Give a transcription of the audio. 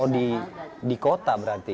oh di kota berarti ya